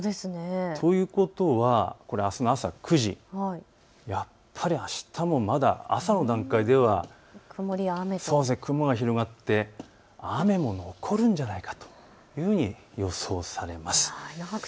ということはこれ、あすの朝９時、やはりあすも朝の段階では雲が広がって雨も残るんじゃないかというふうに予想されます。